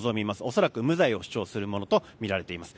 恐らく無罪を主張するものとみられています。